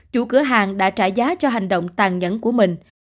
chủ cửa hàng đã trả giá cho hành động tàn nhẫn của mình